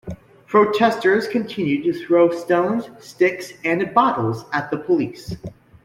Protestors continued to throw stones, sticks and bottles at the police.